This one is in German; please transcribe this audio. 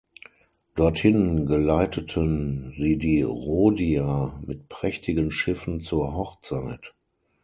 Dorthin geleiteten sie die Rhodier mit prächtigen Schiffen zur Hochzeit.